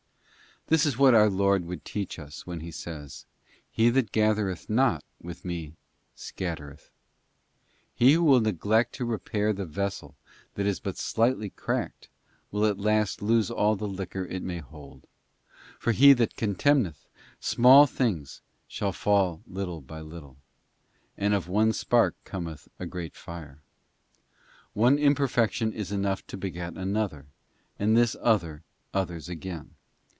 This is what our Lord would teach us when He says, ' He that gathereth not with me scattereth.* He who will neglect to repair the vessel that is but slightly cracked, will at last lose all the liquor it may hold; for 'he that contemneth small things shall fall by little and little :' f and 'of one spark cometh a great fire.'{ One imperfection is enough to beget another, and this other, others again.